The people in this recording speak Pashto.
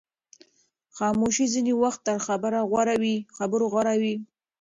خاموشي ځینې وخت تر خبرو غوره وي.